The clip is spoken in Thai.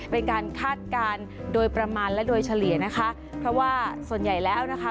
เป็นการคาดการณ์โดยประมาณและโดยเฉลี่ยนะคะเพราะว่าส่วนใหญ่แล้วนะคะ